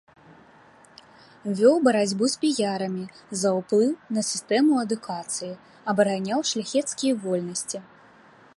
Вёў барацьбу з піярамі за ўплыў на сістэму адукацыі, абараняў шляхецкія вольнасці.